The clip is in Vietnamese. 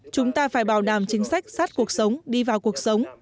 chúng ta phải bảo đảm chính sách sát cuộc sống đi vào cuộc sống